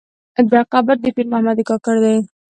دا قبر د پیر محمد کاکړ دی.